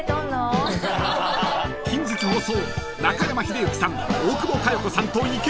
［近日放送］